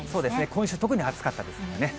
今週、特に暑かったですからね。